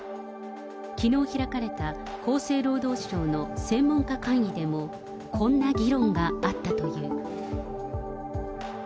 きのう開かれた厚生労働省の専門家会議でも、こんな議論があったという。